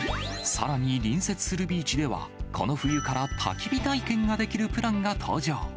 さらに隣接するビーチでは、この冬からたき火体験ができるプランが登場。